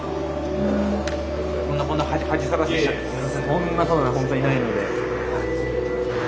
そんなことは本当にないので。